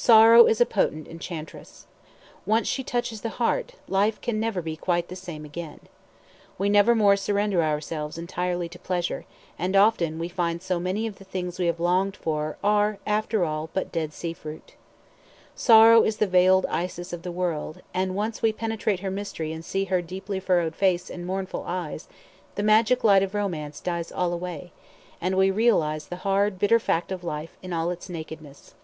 Sorrow is a potent enchantress. Once she touches the heart, life can never be quite the same again. We never more surrender ourselves entirely to pleasure; and often we find so many of the things we have longed for are after all but dead sea fruit. Sorrow is the veiled Isis of the world, and once we penetrate her mystery and see her deeply furrowed face and mournful eyes, the magic light of romance dies all away, and we realise the hard bitter fact of life in all its nakedness.